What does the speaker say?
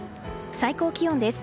最高気温です。